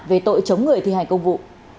về tội chống người thi hành công vụ